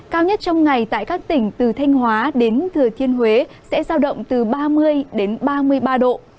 cao nhất trong ngày tại các tỉnh từ thanh hóa đến thừa thiên huế sẽ giao động từ ba mươi đến ba mươi ba độ